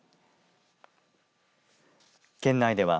県内では